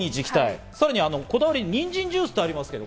さらにこだわり、にんじんジュースとあります。